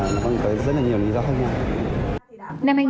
nó có rất là nhiều lý do khác nhau